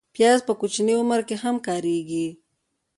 پیاز په کوچني عمر کې هم کارېږي